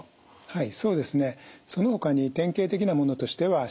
はい。